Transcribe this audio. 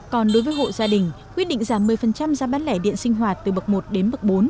còn đối với hộ gia đình quyết định giảm một mươi giá bán lẻ điện sinh hoạt từ bậc một đến bậc bốn